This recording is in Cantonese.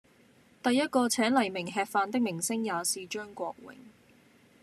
第一個請黎明吃飯的明星也是張國榮。